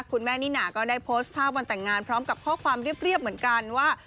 คุณแม่นิน่าก็ได้โพสต์ภาพวันแต่งงานพร้อมกับข้อความเรียบเหมือนกันว่า